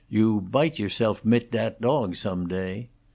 "You bite yourself mit dat dog some day."